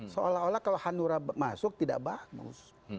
seolah olah kalau hanura masuk tidak bagus